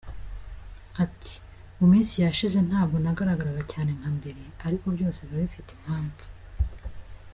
Ati “Mu minsi yashize ntabwo nagaragaraga cyane nka mbere ariko byose biba bifite impamvu.